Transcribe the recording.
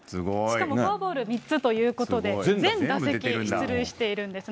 しかもフォアボール３つということで、全打席出塁しているんですね。